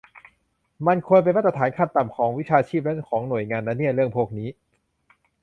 มันควรเป็นมาตรฐานขั้นต่ำของวิชาชีพและของหน่วยงานนะเนี่ย เรื่องพวกนี้